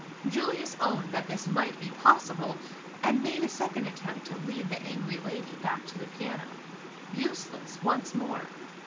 Julius owned that this might be possible, and made a second attempt to lead the angry lady back to the piano. Useless, once more!